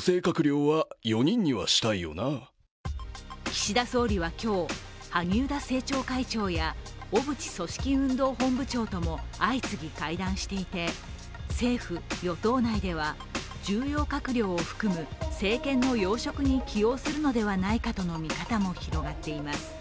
岸田総理は今日、萩生田政調会長や小渕組織運動本部長とも相次ぎ会談していて政府・与党内では重要閣僚を含む政権の要職に起用するのではないかとの見方も広がっています。